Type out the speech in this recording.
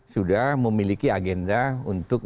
sudah memiliki agenda untuk